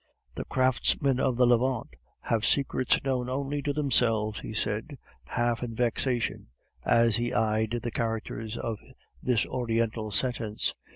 "The craftsmen of the Levant have secrets known only to themselves," he said, half in vexation, as he eyed the characters of this Oriental sentence.